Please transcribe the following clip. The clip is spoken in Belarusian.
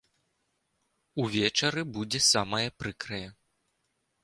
Увечары будзе самае прыкрае.